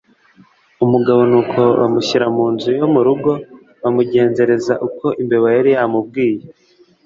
umugabo Nuko bamushyira mu nzu yo mu rugo bamugenzereza uko imbeba zari zamubwiye